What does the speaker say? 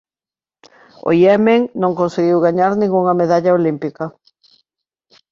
O Iemen non conseguiu gañar ningunha medalla olímpica.